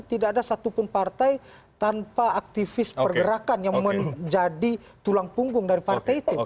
tidak ada satupun partai tanpa aktivis pergerakan yang menjadi tulang punggung dari partai itu